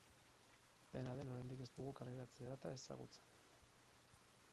Dena den, oraindik ez dugu kaleratze-data ezagutzen.